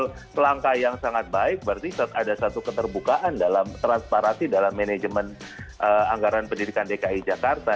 kalau langkah yang sangat baik berarti ada satu keterbukaan dalam transparansi dalam manajemen anggaran pendidikan dki jakarta